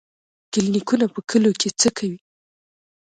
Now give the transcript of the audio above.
کلینیکونه په کلیو کې څه کوي؟